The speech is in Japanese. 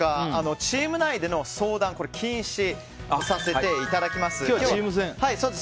チーム内での相談は禁止させていただきたいと思います。